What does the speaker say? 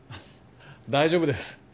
大丈夫です